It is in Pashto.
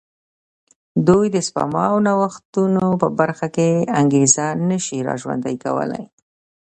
دوی د سپما او نوښتونو په برخه کې انګېزه نه شي را ژوندی کولای.